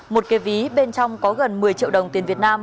một cái ví bên trong có gần một mươi triệu đồng tiền việt nam